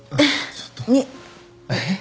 ちょっとえっ？